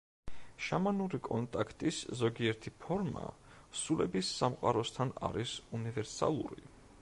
შამანური კონტაქტის, ზოგიერთი ფორმა, სულების სამყაროსთან არის უნივერსალური.